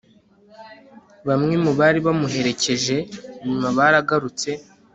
bamwe mu bari bamuherekeje, nyuma baragarutse